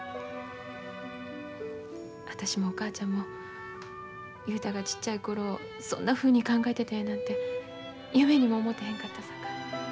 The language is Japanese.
私もお母ちゃんも雄太がちっちゃい頃そんなふうに考えてたやなんて夢にも思てへんかったさかい